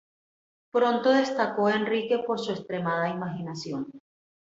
Pronto destacó Enrique por su extremada imaginación.